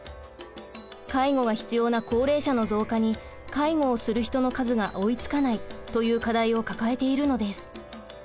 介護が必要な高齢者の増加に介護をする人の数が追いつかないという課題を抱えているのです。